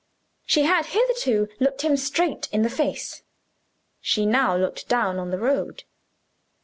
She had hitherto looked him straight in the face. She now looked down on the road.